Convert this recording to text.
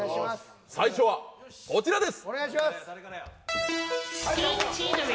最初はこちらです。